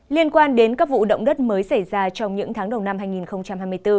liên quan đến các vụ động đất mới xảy ra trong những tháng đầu năm hai nghìn hai mươi bốn